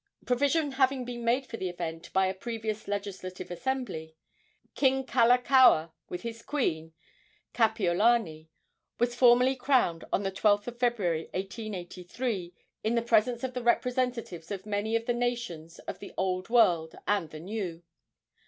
Provision having been made for the event by a previous Legislative Assembly, King Kalakaua, with his queen, Kapiolani, was formally crowned on the 12th of February, 1883, in the presence of the representatives of many of the nations of the Old World and the New.